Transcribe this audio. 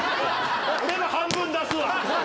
俺も半分出すわ。